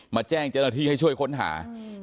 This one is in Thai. มาแจ้งเจราทีให้ช่วยค้นหา